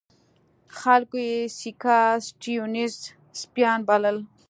خلکو یې سیاکا سټیونز سپیان بلل.